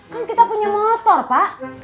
kan kita punya motor pak